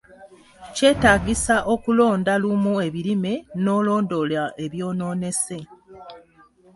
Kyetagisa okulonda lumu ebirime n'olondoola ebyonoonese.